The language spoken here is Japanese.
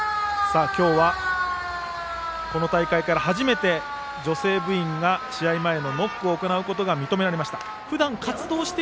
今日はこの大会から初めて女性部員が試合前のノックを行うことが認められました。